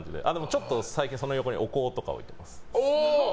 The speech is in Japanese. ちょっと最近その横にお香とか置いてます。